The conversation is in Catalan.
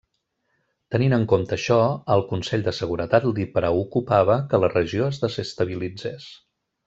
Tenint en compte això, al Consell de Seguretat li preocupava que la regió es desestabilitzés.